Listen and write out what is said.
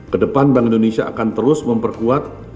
kedepan bank indonesia akan terus memperkuat